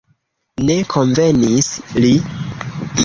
Ne konvenis li.